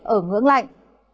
ở ngưỡng lạnh